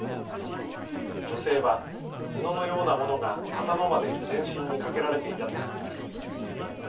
女性は布のようなものが頭まで全身にかけられていたということです。